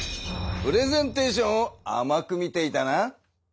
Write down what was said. プレゼンテーションをあまく見ていたな。